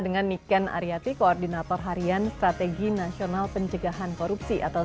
dengan niken aryati koordinator harian strategi nasional pencegahan korupsi atau